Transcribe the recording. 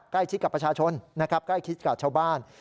ใกล้ชิดกับประชาชนนะครับใกล้ชิดกับชาวบ้าน